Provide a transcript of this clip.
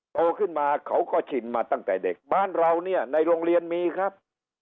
โตขึ้นมาเขาก็ชินมาตั้งแต่เด็กบ้านเราเนี่ยในโรงเรียนมีครับ